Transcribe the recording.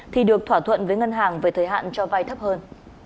thì được thỏa thuận với ngân hàng về thời hạn cho vay thấp hơn